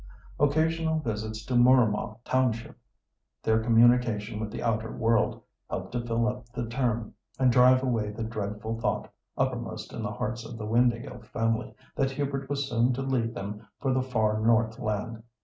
Occasional visits to Mooramah township, their communication with the outer world, helped to fill up the term, and drive away the dreadful thought, uppermost in the hearts of the Windāhgil family, that Hubert was so soon to leave them for the far north land.